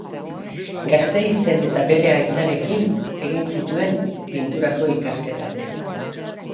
Gasteizen eta bere aitarekin egin zituen Pinturako ikasketak.